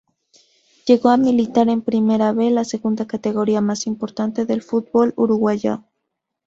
Llegó a militar en Primera "B", la segunda categoría más importante del fútbol uruguayo.